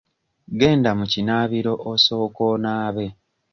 Genda mu kinaabiro osooke onaabe.